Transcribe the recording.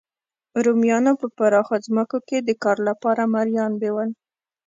رومیانو په پراخو ځمکو کې د کار لپاره مریان بیول